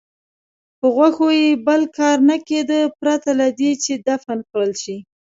په غوښو یې بل کار نه کېده پرته له دې چې دفن کړل شي.